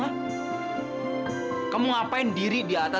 aku luar biasa